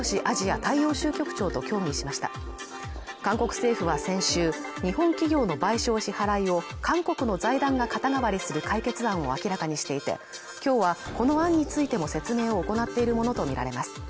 大洋州局長と協議しました韓国政府は先週日本企業の賠償支払いを韓国の財団が肩代わりする解決案を明らかにしていて今日はこの案についても説明を行っているものと見られます